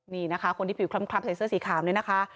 นี่นะคะคนที่ผิวคล้ำใส่เสื้อสีขาวนี่นะคะ